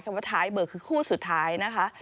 ว่าท้ายเบิกคือคู่สุดท้ายนะคะ